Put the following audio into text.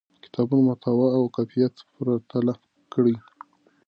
د کتاب محتوا او کیفیت پرتله کړئ.